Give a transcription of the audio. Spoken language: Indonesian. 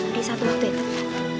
di satu waktu yang terbaik